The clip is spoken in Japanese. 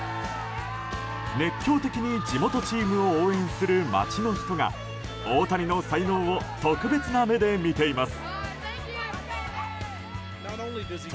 熱狂的に地元チームを応援する街の人が大谷の才能を特別な目で見ています。